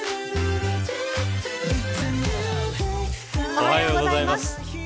おはようございます。